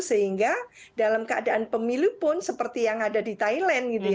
sehingga dalam keadaan pemilu pun seperti yang ada di thailand gitu ya